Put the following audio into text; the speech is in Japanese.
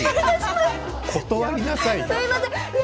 断りなさいよ。